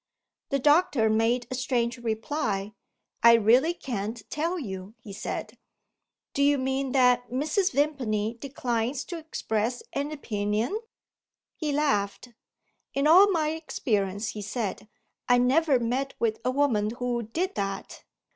The doctor made a strange reply. "I really can't tell you," he said. "Do you mean that Mrs. Vimpany declines to express an opinion?" He laughed. "In all my experience," he said, "I never met with a woman who did that!